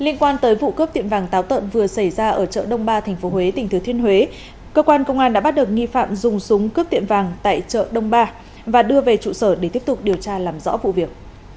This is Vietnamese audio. cơ quan tới vụ cướp tiệm vàng táo tợn vừa xảy ra ở chợ đông ba tp hcm cơ quan công an đã bắt được nghi phạm dùng súng cướp tiệm vàng tại chợ đông ba và đưa về trụ sở để tiếp tục điều tra làm rõ vụ việc